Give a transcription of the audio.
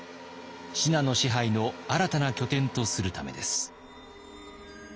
信濃支配の新たな拠点とするためです。